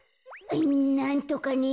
なんとかね。